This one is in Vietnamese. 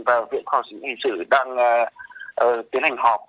và viện khoa học kỹ sự đang tiến hành họp